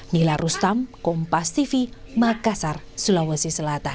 nila rustam kompas tv makassar sulawesi selatan